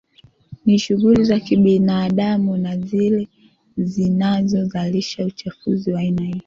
Ni shughuli za kibinadamu na zile zinazozalisha uchafuzi wa aina hii